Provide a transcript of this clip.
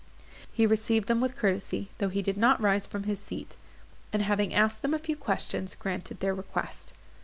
He received them with courtesy, though he did not rise from his seat; and, having asked them a few questions, granted their request.